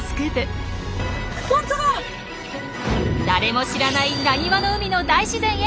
誰も知らない「なにわの海」の大自然へ！